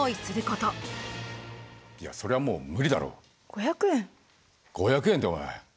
５００円っておい。